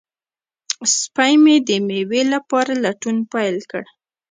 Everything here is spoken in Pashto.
سپی مې د مېوې لپاره لټون پیل کړ.